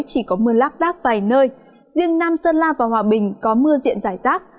chỉ có mưa lác lác vài nơi riêng nam sơn la và hòa bình có mưa diện rải rác